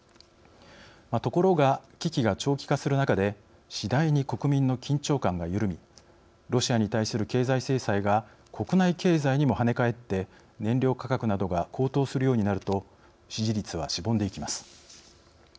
ところが、危機が長期化する中で次第に国民の緊張感が緩みロシアに対する経済制裁が国内経済にも跳ね返って燃料価格などが高騰するようになると支持率はしぼんでいきます。